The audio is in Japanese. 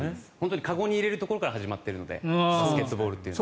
籠に入れるところから始まっているのでバスケットボールは。